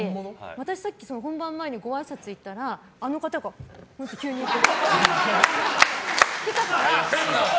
私、本番前にごあいさつ行ったらあの方が急に来たから。